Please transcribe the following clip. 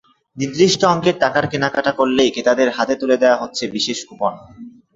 নির্দিষ্ট অঙ্কের টাকার কেনাকাটা করলেই ক্রেতাদের হাতে তুলে দেওয়া হচ্ছে বিশেষ কুপন।